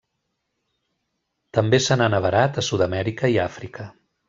També se n'han avarat a Sud-amèrica i Àfrica.